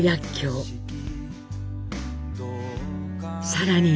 さらに。